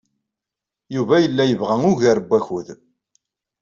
Yuba yella yebɣa ugar n wakud.